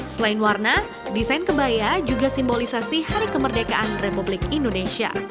selain warna desain kebaya juga simbolisasi hari kemerdekaan republik indonesia